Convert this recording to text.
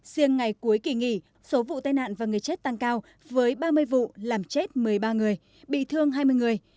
riêng ngày cuối kỳ nghỉ số vụ tai nạn và người chết tăng cao với ba mươi vụ làm chết một mươi ba người bị thương hai mươi người